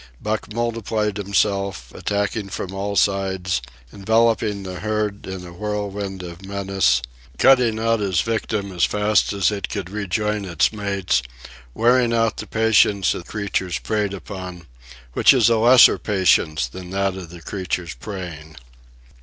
Buck multiplied himself, attacking from all sides, enveloping the herd in a whirlwind of menace, cutting out his victim as fast as it could rejoin its mates, wearing out the patience of creatures preyed upon, which is a lesser patience than that of creatures preying.